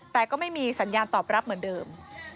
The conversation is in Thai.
แต่ก็ไม่มีสัญญาณตอบรับเหมือนเดิม